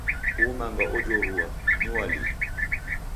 Uu manga ojurua, ni wa lii?